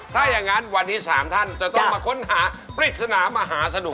ถ้าอย่างนั้นวันนี้๓ท่าน